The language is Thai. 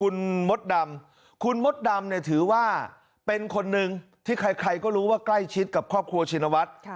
คุณมดดำคุณมดดำเนี่ยถือว่าเป็นคนหนึ่งที่ใครก็รู้ว่าใกล้ชิดกับครอบครัวชินวัฒน์